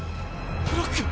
フロック！